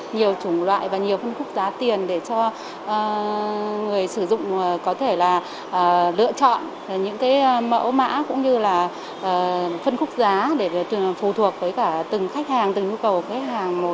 nhiều chủng loại và nhiều phân khúc giá tiền để cho người sử dụng có thể là lựa chọn những mẫu mã cũng như là phân khúc giá để phù thuộc với cả từng khách hàng từng nhu cầu của khách hàng